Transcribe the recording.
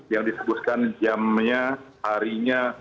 yang disebutkan jamnya harinya